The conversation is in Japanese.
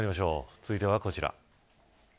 続いてはこちら。